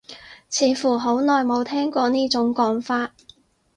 似乎好耐冇聽過呢種講法